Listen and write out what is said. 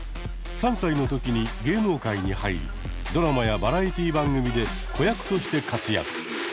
３歳の時に芸能界に入りドラマやバラエティー番組で子役として活躍。